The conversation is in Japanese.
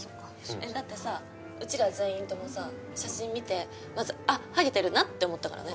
だってさうちら全員ともさ写真見てまず「あっハゲてるな」って思ったからね。